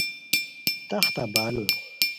تختہ بانو